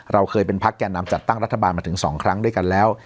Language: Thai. เราเคยเป็นพักแก่นำจัดตั้งรัฐบาลมาถึง๒ครั้งด้วยกันแล้ว